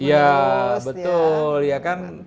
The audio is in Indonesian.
ya betul ya kan